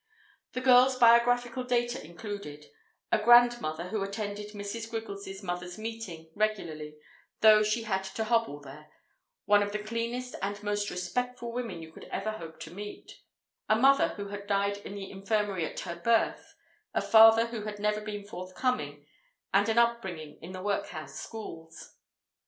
The girl's biographical data included: a grandmother who attended Mrs. Griggles' mothers' meeting regularly, though she had to hobble there, one of the cleanest and most respectful women you could ever hope to meet; a mother who had died in the Infirmary at her birth, a father who had never been forthcoming, and an upbringing in the workhouse schools.